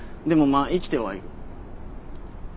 まあ生きてはいる。